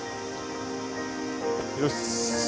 よし。